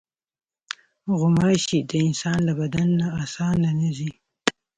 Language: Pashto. غوماشې د انسان له بدن نه اسانه نه ځي.